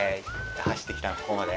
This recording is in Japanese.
走ってきたここまで。